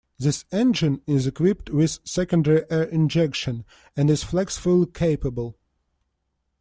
This engine is equipped with secondary air injection, and is flex-fuel capable.